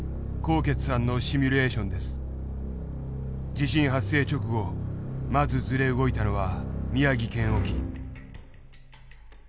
地震発生直後まずずれ動いたのは宮城県沖。